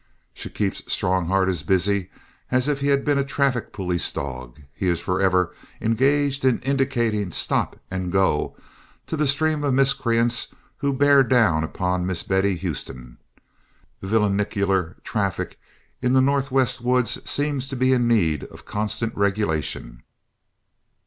She keeps Strongheart as busy as if he had been a traffic police dog. He is forever engaged in indicating "Stop" and "Go" to the stream of miscreants who bear down upon Miss Betty Houston. Villainicular traffic in the Northwest woods seems to be in need of constant regulation.